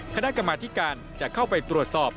คณะกรรมาธิการจะเข้าไปตรวจสอบ